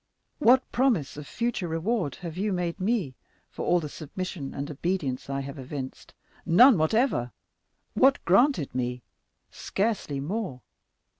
What promise of future reward have you made me for all the submission and obedience I have evinced?—none whatever. What granted me?—scarcely more.